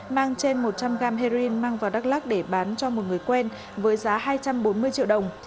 mang trên một trăm linh g heroin mang vào đắk lắc để bán cho một người quen với giá hai trăm bốn mươi triệu đồng